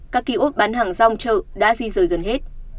các ký ốt bán hàng rong chợ đã di rời gần hết